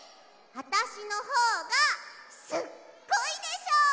あたしのほうがすっごいでしょ？